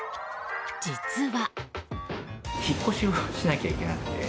実は。